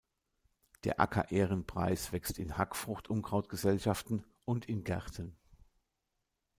Der Acker-Ehrenpreis wächst in Hackfrucht-Unkrautgesellschaften und in Gärten.